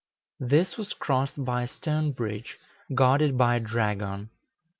This was crossed by a stone bridge, guarded by a dragon.